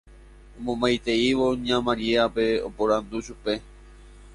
omomaiteívo ña Mariápe, oporandu chupe